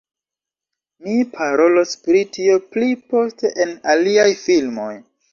Mi parolos pri tio pli poste en aliaj filmoj